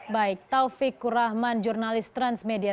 baik taufik kurahman jurnalis transmedia